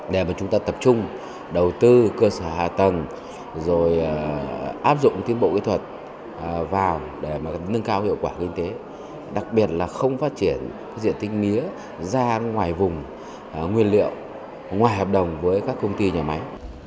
để mà chúng ta tập trung đầu tư cơ sở hạ tầng rồi áp dụng tiến bộ kỹ thuật vào để nâng cao hiệu quả kinh tế đặc biệt là không phát triển diện tích mía ra ngoài vùng nguyên liệu ngoài hợp đồng với các công ty nhà máy